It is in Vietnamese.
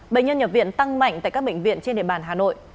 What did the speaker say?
bệnh nhân nhập viện tăng mạnh tại các bệnh viện trên địa bàn hà nội